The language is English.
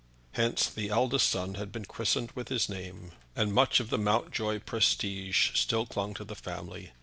Hence the eldest son had been christened with his name, and much of the Mountjoy prestige still clung to the family.